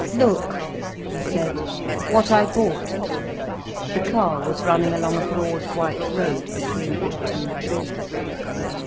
"Look," he said, "what I bought." The car was running along a broad white road, between autumn trees.